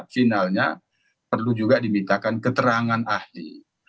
finalnya perlu juga dimintakan keterangan ahli